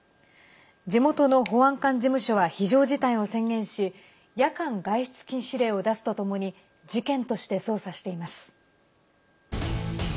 地元の保安官事務所は非常事態を宣言し夜間外出禁止令を出すとともに事件として捜査しています。